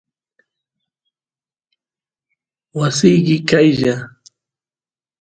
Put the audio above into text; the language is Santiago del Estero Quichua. wasiki qaylla